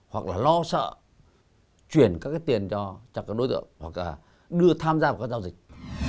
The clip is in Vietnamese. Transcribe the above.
hoặc là lo sợ chuyển các cái tiền cho các đối tượng hoặc là đưa tham gia vào các giao dịch